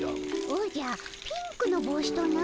おじゃピンクの帽子とな。